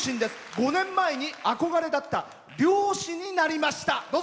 ５年前、憧れだった漁師になりました。